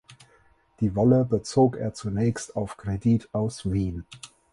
Die Wolle bezog er zunächst auf Kredit aus Wien.